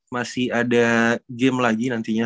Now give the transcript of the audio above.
masih ada game lagi nantinya